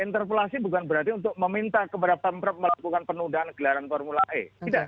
interpelasi bukan berarti untuk meminta kepada pemprov melakukan penundaan gelaran formula e